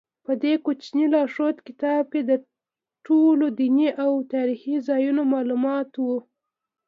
په دې کوچني لارښود کتاب کې د ټولو دیني او تاریخي ځایونو معلومات و.